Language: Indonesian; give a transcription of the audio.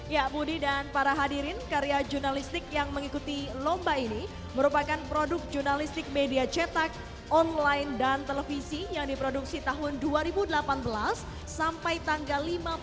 ya budi dan para hadirin karya jurnalistik yang mengikuti lomba ini merupakan produk jurnalistik media cetak online dan televisi yang diproduksi tahun dua ribu delapan belas sampai tanggal lima belas